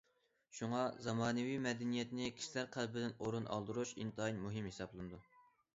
شۇڭا زامانىۋى مەدەنىيەتنى كىشىلەر قەلبىدىن ئورۇن ئالدۇرۇش ئىنتايىن مۇھىم ھېسابلىنىدۇ.